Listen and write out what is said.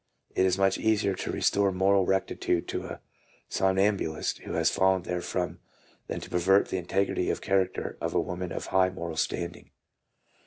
" It is so much easier to restore moral rectitude to a somnambulist who has fallen therefrom, than to pervert the integrity of character of a woman of high moral standing."